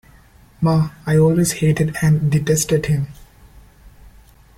Ma, I always hated and detested him.